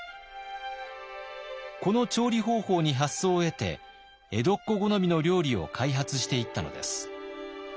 この調理方法に発想を得て江戸っ子好みの料理を開発していったのです。